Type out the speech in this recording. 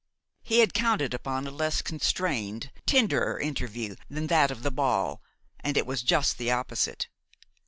He had counted upon a less constrained, tenderer interview than that of the ball, and it was just the opposite.